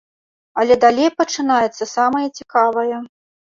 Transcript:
Але далей пачынаецца самае цікавае.